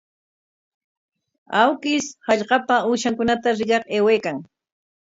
Awkish hallqapa uushankunata rikaq aywaykan.